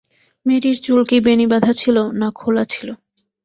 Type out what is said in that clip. মেয়েটির চুল কি বেণী-বাঁধা ছিল, না খোলা ছিল।